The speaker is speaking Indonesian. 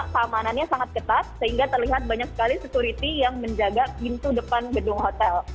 keamanannya sangat ketat sehingga terlihat banyak sekali security yang menjaga pintu depan gedung hotel